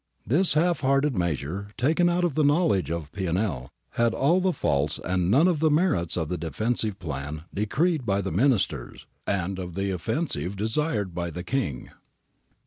This half hearted measure, taken without the knowledge of Pianell, had all the faults and none of the merits of the defensive plan decreed by the Ministers, and of the offensive desired by the King.